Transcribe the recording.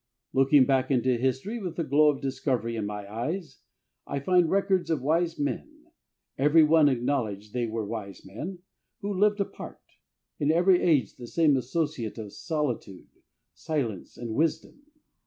Looking back into history, with the glow of discovery in my eyes, I find records of wise men everyone acknowledged they were wise men who lived apart. In every age the same associate of solitude, silence, and wisdom.